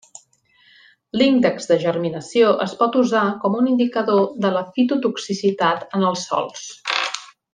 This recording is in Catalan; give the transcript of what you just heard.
L'índex de germinació es pot usar com un indicador de la fitotoxicitat en els sòls.